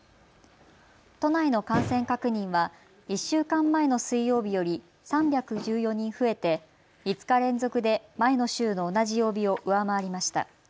都内の感染確認は１週間前の水曜日より３１４人増えて５日連続で前の週の同じ曜日を上回りました。